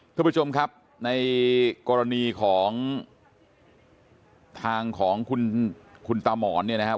ทุกผู้ชมครับในกรณีของทางของคุณตามอนเนี่ยนะครับ